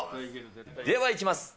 ではいきます。